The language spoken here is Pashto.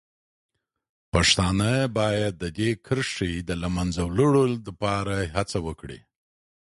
پښتانه باید د دې کرښې د له منځه وړلو لپاره هڅه وکړي.